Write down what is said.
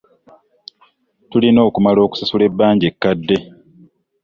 Tulina okumala okusasula ebbanja ekkadde.